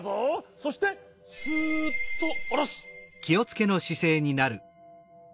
そしてスーッとおろす。